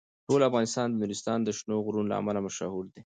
ټول افغانستان د نورستان د شنو غرونو له امله مشهور دی.